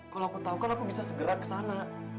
kalau aku tau kan aku bisa segera kesana